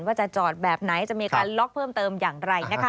ว่าจะจอดแบบไหนจะมีการล็อกเพิ่มเติมอย่างไรนะคะ